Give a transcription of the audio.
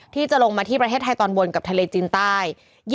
ที่จะลงมาที่ประเทศไทยตอนบนกับทะเลจีนใต้